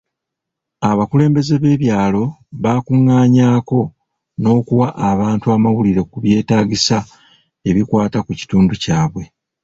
Abakulembeze b'ebyalo bakungaanya kko n'okuwa abantu amawulire ku byeetaagisa ebikwata ku kitundu kyabwe.